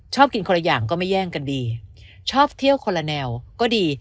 ชอบกินคนละอย่างก็ไม่แย่งกันดีชอบเที่ยวคนละแนวก็ดี